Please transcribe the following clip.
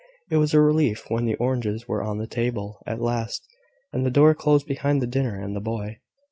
It was a relief when the oranges were on the table at last, and the door closed behind the dinner and the boy.